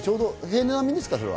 平年並みですかね。